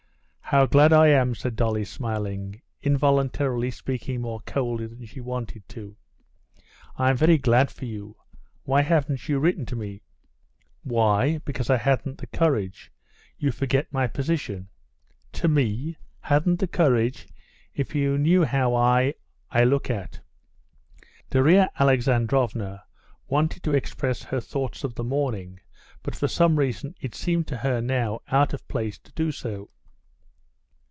"How glad I am!" said Dolly smiling, involuntarily speaking more coldly than she wanted to. "I'm very glad for you. Why haven't you written to me?" "Why?... Because I hadn't the courage.... You forget my position...." "To me? Hadn't the courage? If you knew how I ... I look at...." Darya Alexandrovna wanted to express her thoughts of the morning, but for some reason it seemed to her now out of place to do so.